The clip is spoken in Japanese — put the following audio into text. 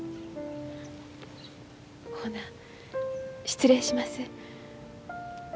ほな失礼します。